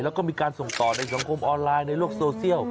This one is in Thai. แล้วก็มีการส่งต่อในสังคมออนไลน์ในโลกโซเชียล